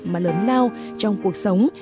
mà lớn lao trong cuộc sống